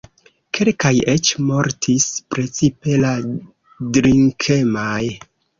Kelkaj eĉ mortis, precipe la drinkemaj.